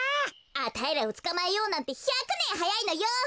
あたいらをつかまえようなんて１００ねんはやいのよ！